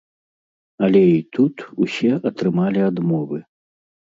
Але і тут усе атрымалі адмовы.